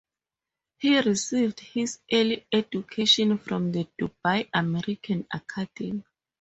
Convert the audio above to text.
He received his early education from the Dubai American Academy.